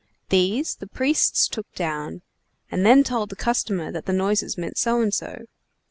These the priests took down, and then told the customer that the noises meant so and so!